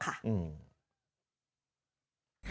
ใครคะ